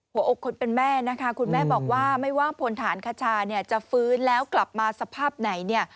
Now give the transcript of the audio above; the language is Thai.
หัวอกคนเป็นแม่นะคะคุณแม่บอกว่าไม่ว่าพลฐานคชาเนี่ยจะฟื้นแล้วกลับมาสภาพไหนเนี่ย